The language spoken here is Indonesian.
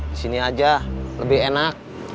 di sini aja lebih enak